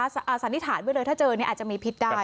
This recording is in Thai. สันนิษฐานไว้เลยถ้าเจออาจจะมีพิษได้